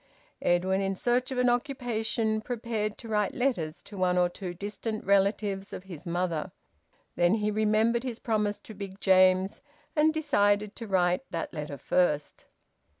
Edwin, in search of an occupation, prepared to write letters to one or two distant relatives of his mother. Then he remembered his promise to Big James, and decided to write that letter first.